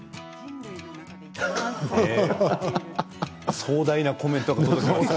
壮大なコメントが届いて。